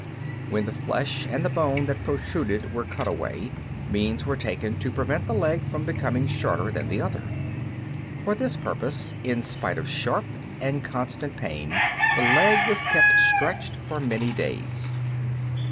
When the flesh and the bone that protruded were cut away, means were taken to prevent the leg from becoming shorter than the other. For this purpose, in spite of sharp and constant pain, the leg was kept stretched for many days.